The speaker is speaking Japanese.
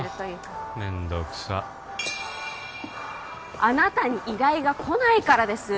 めんどくさっあなたに依頼が来ないからです